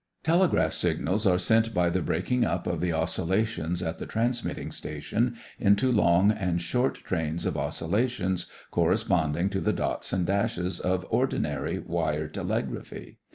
Telegraph signals are sent by the breaking up of the oscillations at the transmitting station into long and short trains of oscillations corresponding to the dots and dashes of ordinary wire telegraphy.